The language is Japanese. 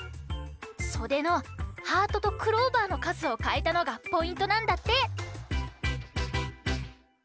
そでのハートとクローバーのかずをかえたのがポイントなんだって。